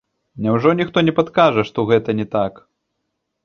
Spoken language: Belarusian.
Няўжо ніхто не падкажа, што гэта не так?